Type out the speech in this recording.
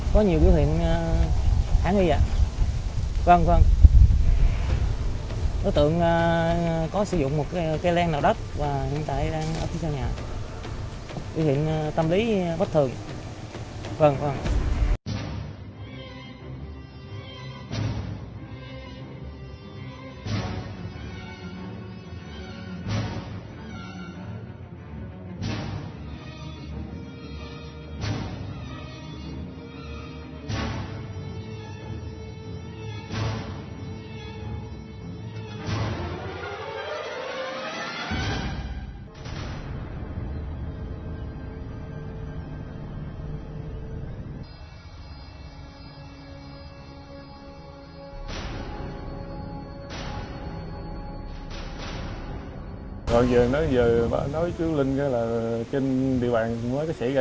có nhiều biểu hiện kháng nghi dạng